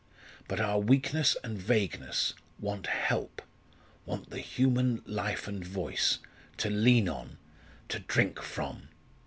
But our weakness and vagueness want help want the human life and voice to lean on to drink from.